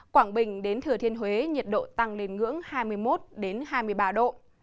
quảng bình đến thừa thiên huế nhiệt độ tăng lên ngưỡng hai mươi một hai mươi ba độ